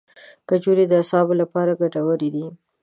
کجورې د اعصابو لپاره ګټورې دي.